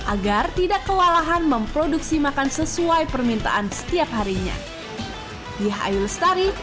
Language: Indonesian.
agar tidak kewalahan memproduksi makan sesuai permintaan setiap harinya biar ayo lestari